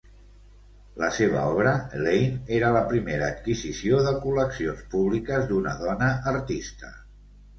La seva obra, "Elaine", era la primera adquisició de col·leccions públiques d'una dona artista.